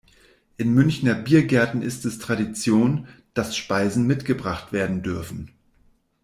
In Münchner Biergärten ist es Tradition, dass Speisen mitgebracht werden dürfen.